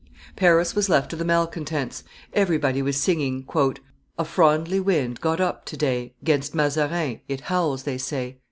Paris was left to the malcontents; everybody was singing, "A Fronde ly wind Got up to day, 'Gainst Mazarin It howls, they say."